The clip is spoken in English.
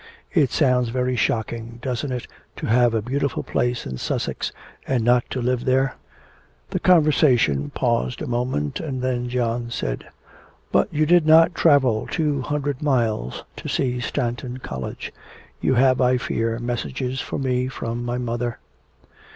It sounds very shocking, doesn't it, to have a beautiful place in Sussex and not to live there?' The conversation paused a moment, and then John said: 'But you did not travel two hundred miles to see Stanton College. You have, I fear, messages for me from my mother.'